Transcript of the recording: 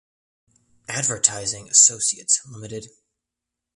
Advertising Associates Ltd.